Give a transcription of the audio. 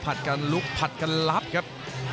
ผลัดกันลุบผลัดกันลับครับ